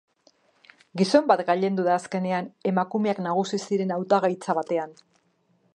Gizon bat gailendu da azkenean emakumeak nagusi ziren hautagaitza batean.